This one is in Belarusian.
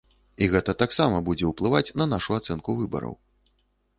І гэта таксама будзе ўплываць на нашу ацэнку выбараў.